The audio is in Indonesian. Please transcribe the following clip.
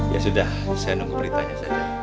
ya sudah saya nunggu beritanya saja